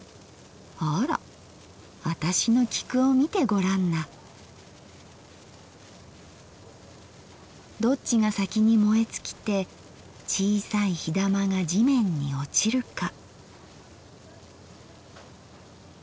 『あーら私の菊を見てごらんな』どっちが先に燃えつきて小さい火玉が地面におちるか。